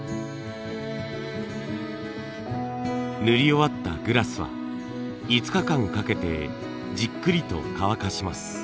塗り終わったグラスは５日間かけてじっくりと乾かします。